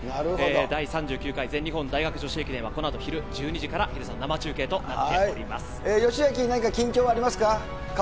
第３９回全日本大学女子駅伝はこのあと昼１２時から、ヒデさん、義朗、何か近況はありますか？